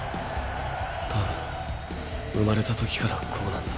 多分生まれた時からこうなんだ。